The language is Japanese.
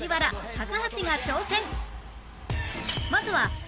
高橋が挑戦